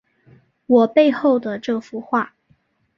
我背后的这幅画